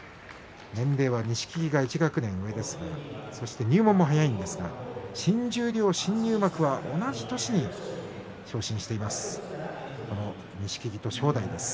年齢は錦木が１学年上ですが入門も早いんですが新十両、新入幕は同じ年に昇進しています。